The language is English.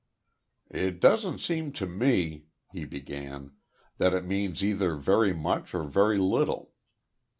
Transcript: "It doesn't seem to me," he began, "that it means either very much or very little."